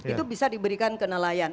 itu bisa diberikan ke nelayan